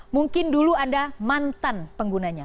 mungkin dulu anda mantan penggunanya